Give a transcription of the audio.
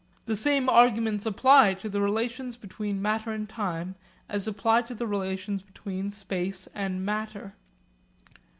The same arguments apply to the relations between matter and time as apply to the relations between space and matter.